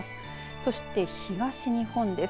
そして東日本です。